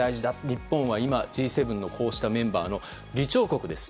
日本は今Ｇ７のこうしたメンバーの議長国です。